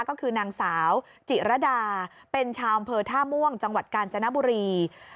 ก็คือนางสาวจิรดาเป็นชาวอำเภอท่าม่วงจังหวัดกาญจนบุรี